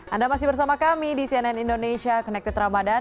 anda masih bersama kami di cnn indonesia connected ramadhan